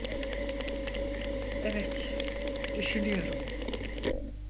Evet, düşünüyorum.